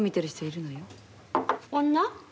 女？